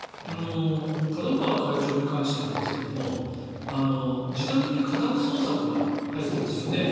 角川会長に関してなんですが自宅に家宅捜索が入ってますよね。